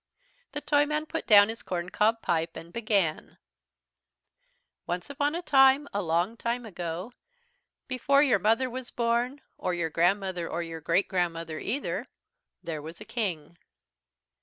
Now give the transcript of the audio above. The Toyman put down his corncob pipe and began: "Once upon a time, long time ago, before your mother was born, or your grandmother, or your great grandmother either, there was a King.